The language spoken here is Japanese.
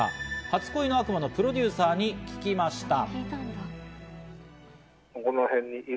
『初恋の悪魔』のプロデューサーに聞きました。